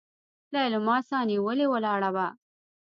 ليلما سانيولې ولاړه وه.